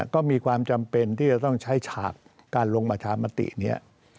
ก็มีความจำเป็นที่จะต้องใช้ฉากการลงประชามติเนี่ย